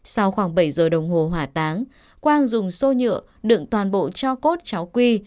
sau khoảng bảy giờ đồng hồ hỏa táng quang dùng xô nhựa đựng toàn bộ cho cốt cháu quy